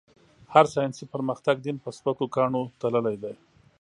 هر ساينسي پرمختګ؛ دين په سپکو کاڼو تللی دی.